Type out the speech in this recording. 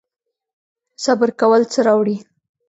صبر کول څه راوړي؟